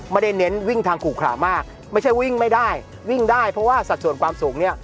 เน้นวิ่งทางขู่ขลามากไม่ใช่วิ่งไม่ได้วิ่งได้เพราะว่าสัดส่วนความสูงเนี่ย